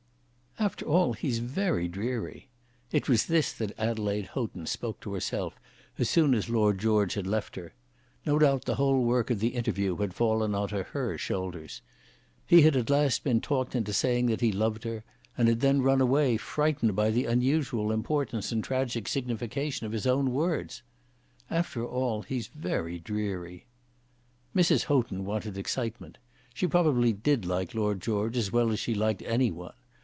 "After all, he's very dreary!" It was this that Adelaide Houghton spoke to herself as soon as Lord George had left her. No doubt the whole work of the interview had fallen on to her shoulders. He had at last been talked into saying that he loved her, and had then run away frightened by the unusual importance and tragic signification of his own words. "After all, he's very dreary." Mrs. Houghton wanted excitement. She probably did like Lord George as well as she liked any one.